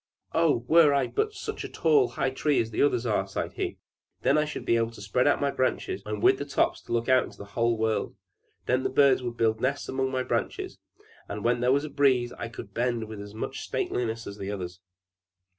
"Oh! Were I but such a high tree as the others are," sighed he. "Then I should be able to spread out my branches, and with the tops to look into the wide world! Then would the birds build nests among my branches: and when there was a breeze, I could bend with as much stateliness as the others!"